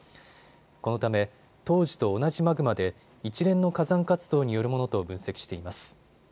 このため、当時と同じマグマで一連の火山活動によるものと分析しています。